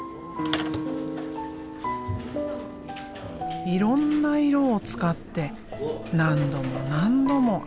いろんな色を使って何度も何度も編み続ける。